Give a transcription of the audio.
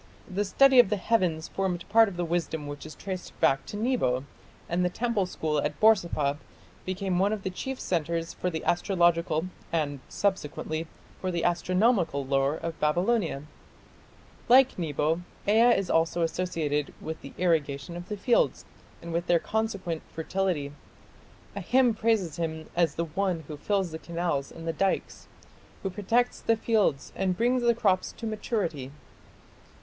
The study of the heavens formed part of the wisdom which is traced back to Nebo, and the temple school at Borsippa became one of the chief centres for the astrological, and, subsequently, for the astronomical lore of Babylonia.... Like Nebo, Ea is also associated with the irrigation of the fields and with their consequent fertility. A hymn praises him as the one who fills the canals and the dikes, who protects the fields and brings the crops to maturity."